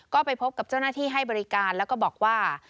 ก็ไปพบกับเจ้าหน้าที่ให้บริการแล้วก็บอกว่า